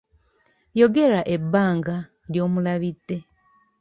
Yogera ebbanga ly'omulabidde.